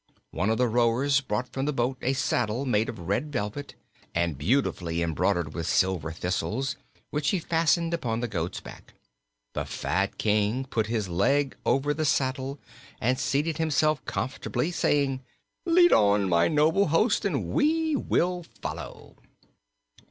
One of the rowers brought from the boat a saddle made of red velvet and beautifully embroidered with silver thistles, which he fastened upon the goat's back. The fat King put his leg over the saddle and seated himself comfortably, saying: "Lead on, my noble host, and we will follow."